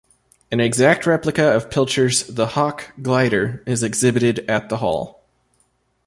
An exact replica of Pilcher's "The Hawk" glider is exhibited at the hall.